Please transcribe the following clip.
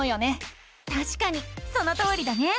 たしかにそのとおりだね！